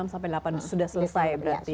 enam sampai delapan sudah selesai berarti